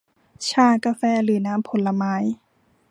ชา กาแฟ หรือน้ำผลไม้